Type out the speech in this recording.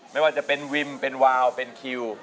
ไม่ว่าจะเป็นวิมเป็นวาวเป็นคิว